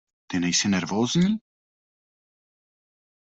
Ty nejsi nervózní?